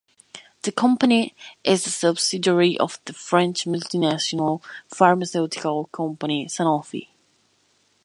The company is a subsidiary of the French multinational pharmaceutical company Sanofi.